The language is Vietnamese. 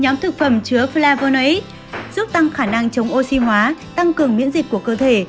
nhóm thực phẩm chứa flyverna giúp tăng khả năng chống oxy hóa tăng cường miễn dịch của cơ thể